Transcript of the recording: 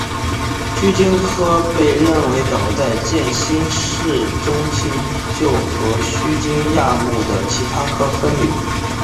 须鲸科被认为早在渐新世中期就和须鲸亚目的其他科分离。